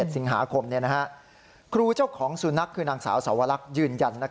สิงหาคมครูเจ้าของสุนัขคือนางสาวสวรรคยืนยัน